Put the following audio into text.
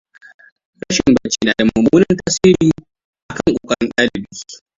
Rashin bacci nada mumunnan tasiri akan kokarin dalibi.